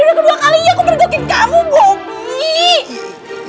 ini udah kedua kalinya aku berdua ngobrolin kamu bobi